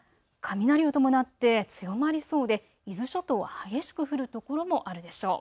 沿岸の地域では雷を伴って強まりそうで伊豆諸島は激しく降る所もあるでしょう。